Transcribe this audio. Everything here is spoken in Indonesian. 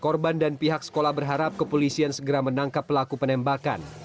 korban dan pihak sekolah berharap kepolisian segera menangkap pelaku penembakan